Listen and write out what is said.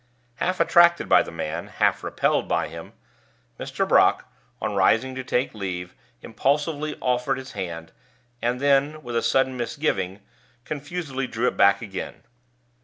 Half attracted by the man, half repelled by him, Mr. Brock, on rising to take leave, impulsively offered his hand, and then, with a sudden misgiving, confusedly drew it back again.